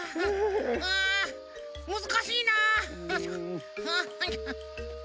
あむずかしいな。